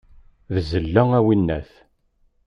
D zzella, a winnat!